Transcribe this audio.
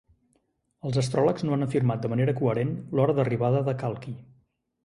Els astròlegs no han afirmat de manera coherent l'hora d'arribada de Kalki.